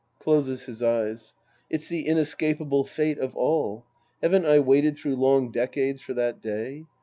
{Closes his eyes.) It's the inescapable fate of all. Haven't I waited through long decades for that day?